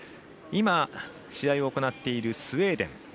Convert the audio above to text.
今、試合を行っているスウェーデン。